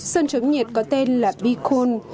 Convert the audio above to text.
sơn chống nhiệt có tên là bicool